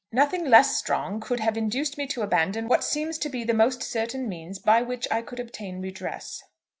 Nothing less strong could have induced me to abandon what seems to be the most certain means by which I could obtain redress.